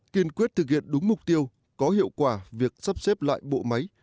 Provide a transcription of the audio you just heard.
kiên quyết thực hiện đúng mục tiêu có hiệu quả việc sắp xếp lại bộ máy